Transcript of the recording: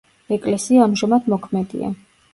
ეკლესია ამჟამად მოქმედია.